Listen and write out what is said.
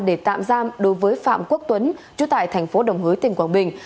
để tạm giam đối với phạm quốc tuấn chú tại thành phố đồng hới tỉnh quảng bình